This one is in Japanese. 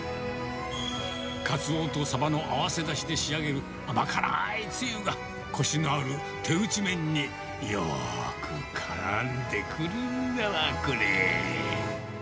かつおとさばの合わせだしで仕上げる甘辛いつゆが、こしのある手打ち麺に、よーくからんでくるんだわ、これ。